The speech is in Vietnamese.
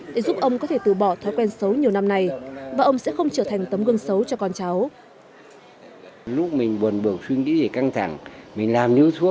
để giúp ông có thể từ bỏ thói quen xấu nhiều năm này và ông sẽ không trở thành tấm gương xấu cho con cháu